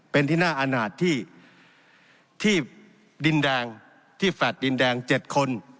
เป็นที่หน้าอาหารที่ที่ดินแดงที่แฟดดินแดงเจ็ดคน